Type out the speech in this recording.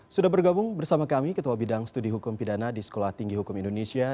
sudah bergabung bersama kami ketua bidang studi hukum pidana di sekolah tinggi hukum indonesia